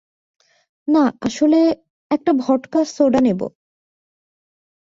না, আসলে, একটা ভদকা সোডা নেবো!